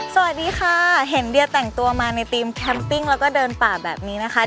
สวัสดีค่ะเห็นเดียแต่งตัวมาในทีมแคมปิ้งแล้วก็เดินป่าแบบนี้นะคะ